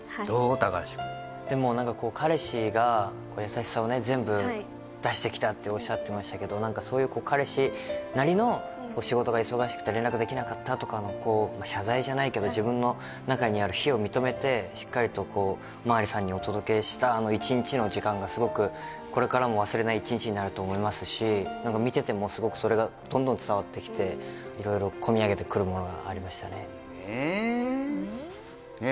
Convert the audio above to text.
高橋君でも何かこう彼氏が優しさをね全部出してきたっておっしゃってましたけど何かそういう彼氏なりの仕事が忙しくて連絡できなかったとかのこう謝罪じゃないけど自分の中にある非を認めてしっかりとこうまありさんにお届けしたあの一日の時間がすごくこれからも忘れない一日になると思いますし何か見ててもすごくそれがどんどん伝わってきて色々込み上げてくるものがありましたねねえねえ